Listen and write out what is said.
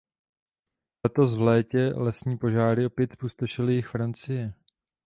Letos v létě lesní požáry opět zpustošily jih Francie.